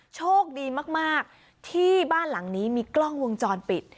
โชคดีมากที่บ้านหลังนี้มีกล้องวงจรปิด